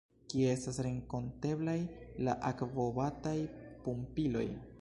Kie estas renkonteblaj la akvobataj pumpiloj?